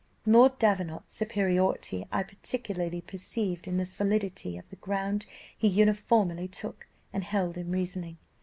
Lord Davenant's superiority I particularly perceived in the solidity of the ground he uniformly took and held in reasoning.